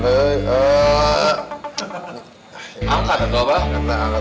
ntar diangkat aja atas abang